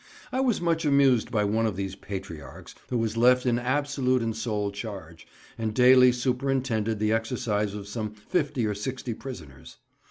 I was much amused by one of these patriarchs who was left in absolute and sole charge, and daily superintended the exercise of some fifty or sixty prisoners.